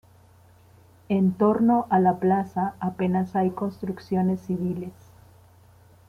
En torno a la plaza apenas hay construcciones civiles.